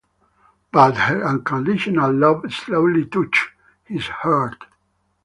But her unconditional love slowly touches his heart.